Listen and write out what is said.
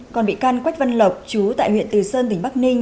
còn bị can quách văn lộc chú tại huyện từ sơn tỉnh bắc ninh